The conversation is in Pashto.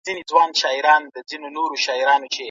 په بازارونو کي باید نرخونه کنټرول وي.